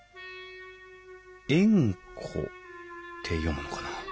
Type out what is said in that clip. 「えんこ」って読むのかな？